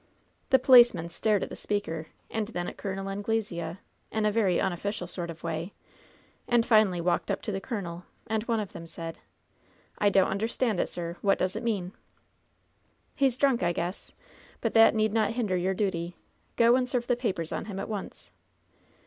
The policemen stared at the speaker, and then at Col, Anglesea, in a very tmofficial sort of way, and finally walked up to the colonel, and one of them said : "I don't understand it, sir ! What does it mean ?" LOVE'S BITTEREST CUP 98 "He's drunk, I guess ! But that need not hinder your duty. Go and serve the papers on him at once."